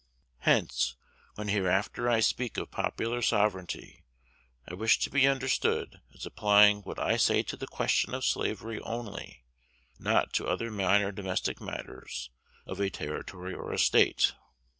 Hence, when hereafter I speak of popular sovereignty, I wish to be understood as applying what I say to the question of slavery only, not to other minor domestic matters of a Territory or a State.